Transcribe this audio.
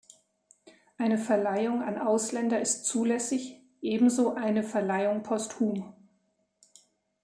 Eine Verleihung an Ausländer ist zulässig, ebenso ein Verleihung posthum.